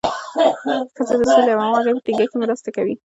ښځې د سولې او همغږۍ په ټینګښت کې مرسته کوي.